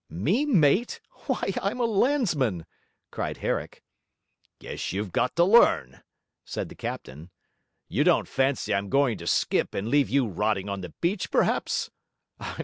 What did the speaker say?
'Me mate? Why, I'm a landsman!' cried Herrick. 'Guess you've got to learn,' said the captain. 'You don't fancy I'm going to skip and leave you rotting on the beach perhaps?